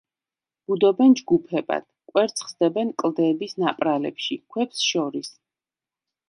ბუდობენ ჯგუფებად, კვერცხს დებენ კლდეების ნაპრალებში, ქვებს შორის.